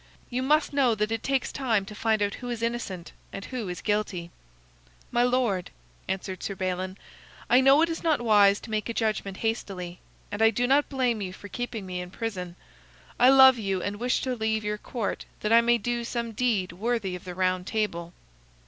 You must know that it takes time to find out who is innocent and who is guilty." "My lord," answered Sir Balin, "I know it is not wise to make a judgment hastily, and I do not blame you for keeping me in prison. I love you, and wish to leave your court that I may do some deed worthy of the Round Table."